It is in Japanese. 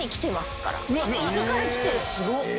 すごっ。